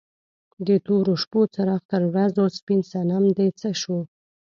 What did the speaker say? د تورو شپو څراغ تر ورځو سپین صنم دې څه شو؟